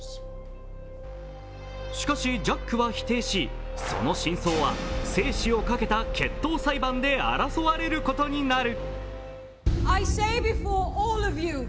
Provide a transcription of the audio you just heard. しかしジャックは否定し、その真相は生死をかけた決闘裁判で争われることになる。